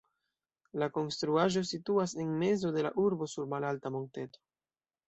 La konstruaĵo situas en mezo de la urbo sur malalta monteto.